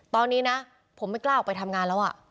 ตอนนี้นะผมไม่กล้าออกไปทำงานแล้ว